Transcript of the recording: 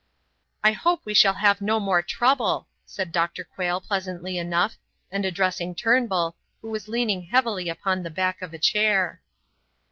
"I hope we shall have no more trouble," said Dr. Quayle pleasantly enough, and addressing Turnbull, who was leaning heavily upon the back of a chair.